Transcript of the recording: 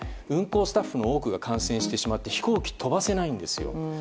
運航スタッフの多くが感染してしまって飛行機が飛ばせないんですよ。